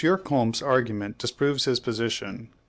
Comte's argument disproves his position.